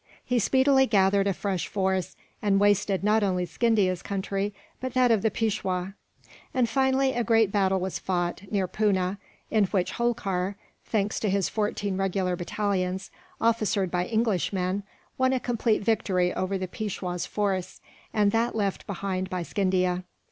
He speedily gathered a fresh force, and wasted not only Scindia's country but that of the Peishwa; and finally a great battle was fought, near Poona, in which Holkar, thanks to his fourteen regular battalions, officered by Englishmen, won a complete victory over the Peishwa's force and that left behind by Scindia.